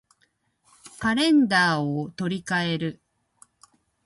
カレンダーを取り換える